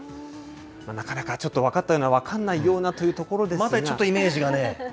なかなかちょっと分かったような分かんないようなというところでまだちょっとイメージがね。